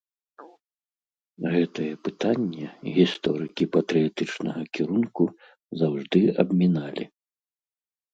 Гэтае пытанне гісторыкі патрыятычнага кірунку заўжды абміналі.